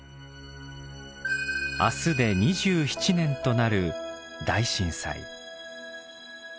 明日で２７年となる大震災。